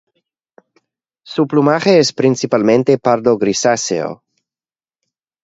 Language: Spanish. Su plumaje es principalmente pardo grisáceo.